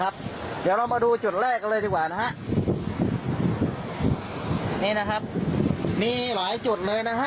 เดี๋ยวเรามาดูจุดแรกกันเลยดีกว่านะฮะนี่นะครับมีหลายจุดเลยนะฮะ